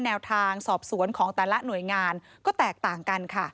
แนวทางสอบสวนของแต่ละหน่วยงานก็แตกต่างกันค่ะ